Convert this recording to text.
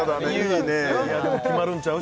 いやでも決まるんちゃう？